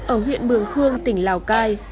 ở huyện bường khương tỉnh lào cai